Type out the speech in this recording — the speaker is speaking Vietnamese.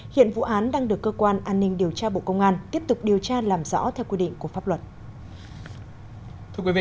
hiện vụ án đang được cơ quan an ninh điều tra bộ công an tiếp tục điều tra làm rõ theo quy định của pháp luật